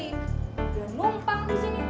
dia numpang disini